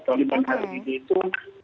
taliban hari ini itu